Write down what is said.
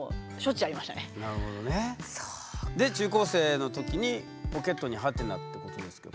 中高生の時にポケットに？ってことですけど